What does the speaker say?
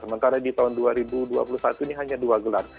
sementara di tahun dua ribu dua puluh satu ini hanya dua gelar